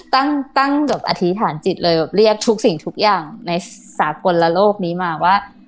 ตั้งตั้งแบบอธิษฐานจิตเลยแบบเรียกทุกสิ่งทุกอย่างในสากลโลกนี้มาว่า